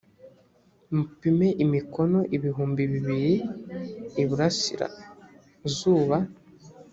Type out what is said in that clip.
mupime imikono ibihumbi bibiri iburasira zuba.